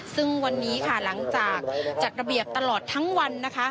ซึ่งวันนี้ค่ะหลังจากจัดระเบียบตลอดทั้งวันนะคะ